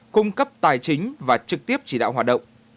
cung cấp tài chính và trực tiếp chỉ đạo hoạt động